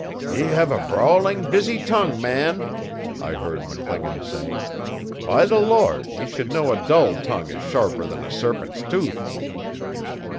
'Ye have a brawling, busy tongue, man,' I heard McClingan saying. 'By the Lord! ye should know a dull tongue is sharper than a serpent's tooth.